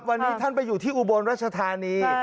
วันนี้ท่านไปอยู่ที่อุบลรัชธานี